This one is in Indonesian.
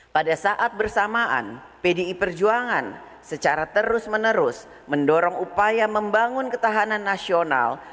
pada saat bersamaan pdi perjuangan secara terus menerus mendorong upaya membangun ketahanan nasional